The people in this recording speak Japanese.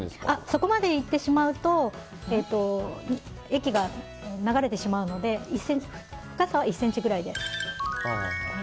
底までいってしまうと液が流れてしまうので深さは１ｃｍくらいです。